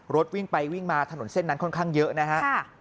รถวิ่งไปวิ่งมาถนนเส้นนั้นค่อนข้างเยอะนะฮะ